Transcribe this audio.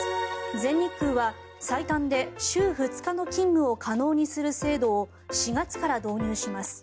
全日空は最短で週２日の勤務を可能にする制度を４月から導入します。